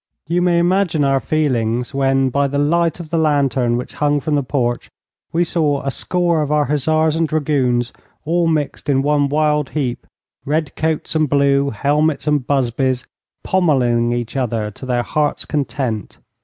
You may imagine our feelings when, by the light of the lantern which hung from the porch, we saw a score of our hussars and dragoons all mixed in one wild heap, red coats and blue, helmets and busbies, pommelling each other to their hearts' content.